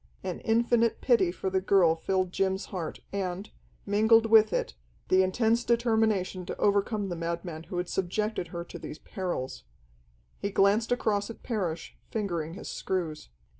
An infinite pity for the girl filled Jim's heart, and, mingled with it, the intense determination to overcome the madman who had subjected her to these perils. He glanced across at Parrish, fingering his screws.